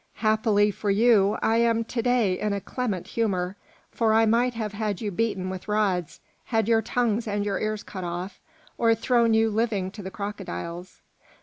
"Happily for you I am to day in a clement humour, for I might have had you beaten with rods, had your tongues and ears cut off, or thrown you living to the crocodiles.